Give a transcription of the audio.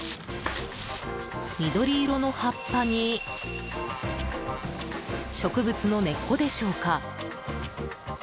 緑色の葉っぱに植物の根っこでしょうか。